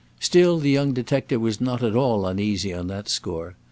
Still, the young detective was not at all uneasy on that score.